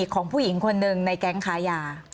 ของผู้หญิงคนนึงในแกงขายา